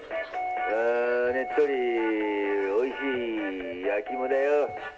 ねっとりおいしい焼き芋だよ。